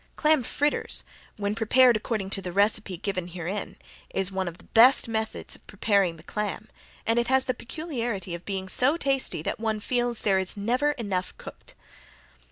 Clam fritters when prepared according to the recipe given herein, is one of the best methods of preparing the clam, and it has the peculiarity of being so tasty that one feels that there is never enough cooked.